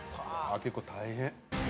「結構大変」